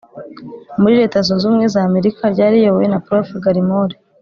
muri Leta Zunze Ubumwe z Amerika ryari riyobowe na Prof Gallimore